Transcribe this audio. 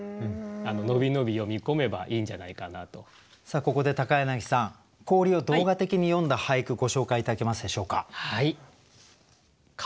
ここで柳さん氷を動画的に詠んだ俳句ご紹介頂けますでしょうか。